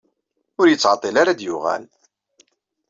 Ur ittɛeṭṭil ara ad d-yuɣal.